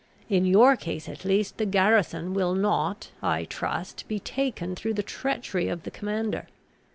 In your case, at least, the garrison will not, I trust, be taken through the treachery of the commander.